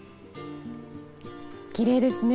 きれいですね。